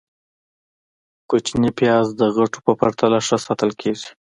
- کوچني پیاز د غټو په پرتله ښه ساتل کېږي.